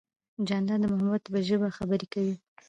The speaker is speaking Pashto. جانداد د محبت په ژبه خبرې کوي.